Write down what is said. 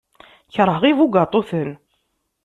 Keṛheɣ ibugaṭuten.